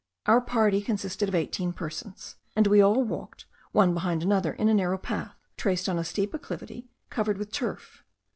Our party consisted of eighteen persons, and we all walked one behind another, in a narrow path, traced on a steep acclivity, covered with turf.